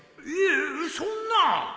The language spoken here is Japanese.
いえそんな